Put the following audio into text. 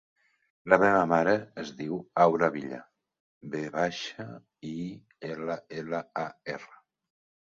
La meva mare es diu Aura Villar: ve baixa, i, ela, ela, a, erra.